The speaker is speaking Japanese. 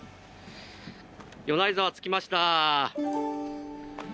米内沢着きました。